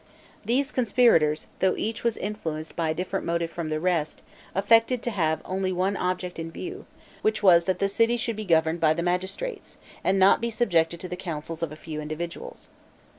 These conspirators, though each was influenced by a different motive from the rest, affected to have only one object in view, which was that the city should be governed by the magistrates, and not be subjected to the counsels of a few individuals.